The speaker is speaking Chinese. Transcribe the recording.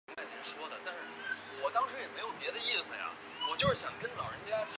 王寻被王莽封为丕进侯。